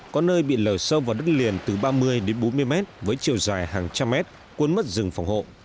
có nơi bị lở sâu vào đất liền từ ba mươi đến bốn mươi mét với chiều dài hàng trăm mét cuốn mất rừng phòng hộ